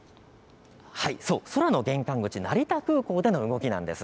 空の玄関口、成田空港での動きです。